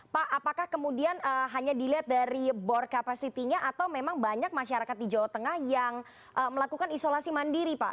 pak apakah kemudian hanya dilihat dari board capacity nya atau memang banyak masyarakat di jawa tengah yang melakukan isolasi mandiri pak